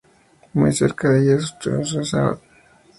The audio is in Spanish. Muy cerca de ellas Santurce y Sestao.